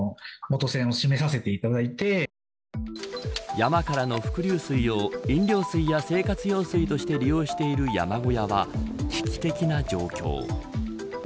山からの伏流水を飲料水や生活用水として利用している山小屋は危機的な状況。